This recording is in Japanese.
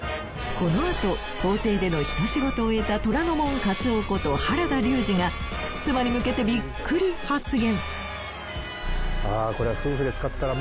このあと法廷での一仕事を終えた虎ノ門勝男こと原田龍二が妻に向けてビックリ発言。